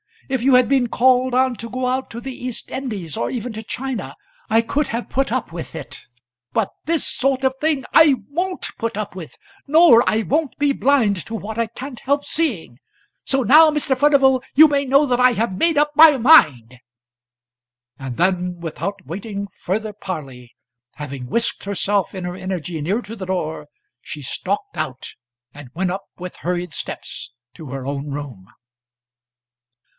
If you had been called on to go out to the East Indies or even to China, I could have put up with it. But this sort of thing I won't put up with; nor I won't be blind to what I can't help seeing. So now, Mr. Furnival, you may know that I have made up my mind." And then, without waiting further parley, having wisked herself in her energy near to the door, she stalked out, and went up with hurried steps to her own room.